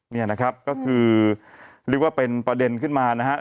นี่นะครับก็คือเรียกว่าเป็นประเด็นขึ้นมานะฮะ